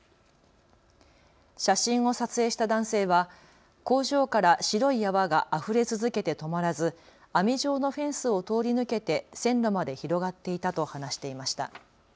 写真を撮影した男性は工場から白い泡があふれ続けて止まらず、網状のフェンスを通り抜けて線路まで広がっていたと話していました。